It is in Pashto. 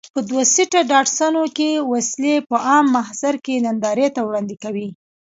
په دوه سیټه ډاټسنونو کې وسلې په عام محضر کې نندارې ته وړاندې کوي.